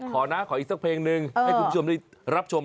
ขอนะขออีกสักเพลงหนึ่งให้คุณผู้ชมได้รับชม